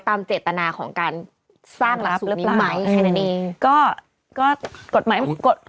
ตามเจตนาของการสร้างลักษณ์สูงมิดไหมแค่นั้นเอง